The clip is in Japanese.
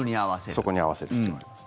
そこに合わせる必要があります。